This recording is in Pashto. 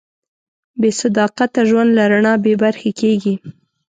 بېصداقته ژوند له رڼا بېبرخې کېږي.